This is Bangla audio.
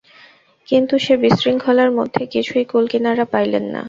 কিন্তু সে বিশৃঙ্খলার মধ্যে কিছুই কুলকিনারা পাইলেন না।